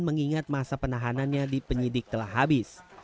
mengingat masa penahanannya di penyidik telah habis